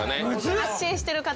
配信してる方。